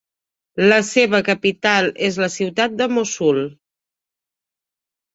La seva capital és la ciutat de Mossul.